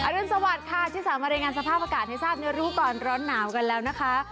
รุนสวัสดิ์ค่ะที่สามารถรายงานสภาพอากาศให้ทราบในรู้ก่อนร้อนหนาวกันแล้วนะคะ